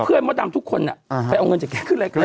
เพื่อนเมาดำทุกคนไปเอาเงินจากเองขึ้นรายการ